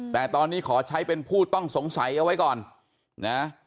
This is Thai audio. แต่ตอนนี้ขอใช้เป็นผู้ต้องสงสัยเอาไว้ก่อนนะ